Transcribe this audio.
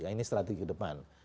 ini strategi ke depan